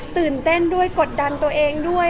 ตื่นเต้นด้วยกดดันตัวเองด้วย